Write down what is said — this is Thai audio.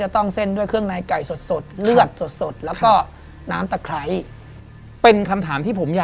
แต่นี่ไม่มี